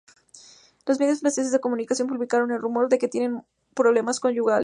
Los medios franceses de comunicación publican el "rumor" de que tienen problemas conyugales.